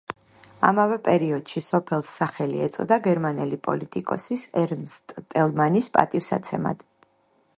ამავე პერიოდში სოფელს სახელი ეწოდა გერმანელი პოლიტიკოსის ერნსტ ტელმანის პატივსაცემად.